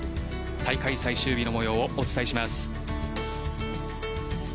大会最終日の模様をお伝えします。